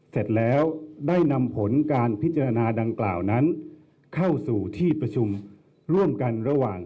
เสร็จแล้วได้นำผลการพิจารณาดังกล่าวนั้นเข้าสู่ที่ประชุมร่วมกันระหว่าง